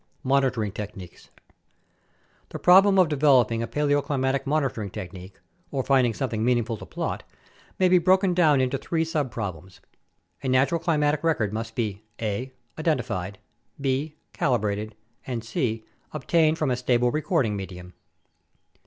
Monitoring Techniques The problem of developing a paleoclimatic monitoring technique — or finding something meaningful to plot — may be broken down into three subproblems. A natural climatic record must be (a) identified, (b) calibrated, and (c) obtained from a stable recording medium.